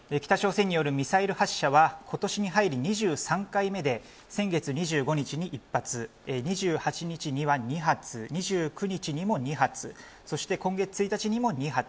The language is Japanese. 北朝鮮によるミサイル発射は今年に入り２３回目で先月２５日に１発２８日には２発２９日にも２発そして今月１日にも２発。